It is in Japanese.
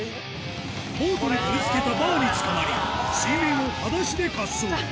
ボートに取り付けたバーにつかまり、水面をはだしで滑走。